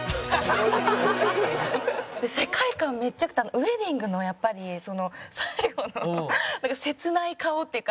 世界観めっちゃ良くてウェディングのやっぱりその最後の切ない顔っていうか